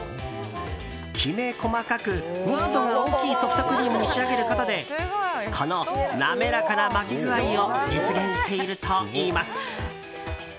きめ細かく密度が大きいソフトクリームに仕上げることでこの滑らかな巻き具合を実現しているといいます。